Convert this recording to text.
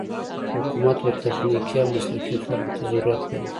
حکومت و تخنيکي او مسلکي خلکو ته ضرورت لري.